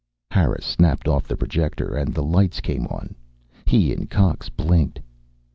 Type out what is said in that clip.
Harris snapped off the projector, and the lights came on. He and Cox blinked.